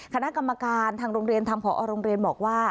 คณะกรรมการทางโรงเรียนทางบรรบอกว่า